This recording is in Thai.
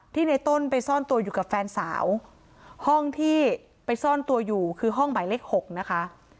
ในต้นไปซ่อนตัวอยู่กับแฟนสาวห้องที่ไปซ่อนตัวอยู่คือห้องหมายเลข๖นะคะ